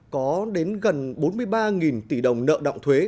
có đến gần bốn mươi ba tỷ đồng nợ động thuế